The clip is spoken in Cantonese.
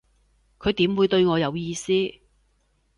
佢點會對我有意思